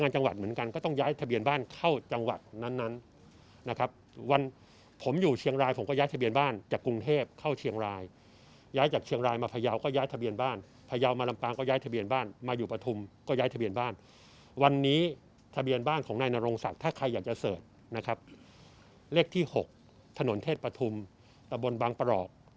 จังหวัดเหมือนกันก็ต้องย้ายทะเบียนบ้านเข้าจังหวัดนั้นนะครับวันผมอยู่เชียงรายผมก็ย้ายทะเบียนบ้านจากกรุงเทพเข้าเชียงรายย้ายจากเชียงรายมาพยาวก็ย้ายทะเบียนบ้านพยาวมาลำปางก็ย้ายทะเบียนบ้านมาอยู่ปฐุมก็ย้ายทะเบียนบ้านวันนี้ทะเบียนบ้านของนายนรงศักดิ์ถ้าใครอยากจะเสิร์ชนะครับเลขที่๖ถนนเทศปฐุมตะบนบางประกอบ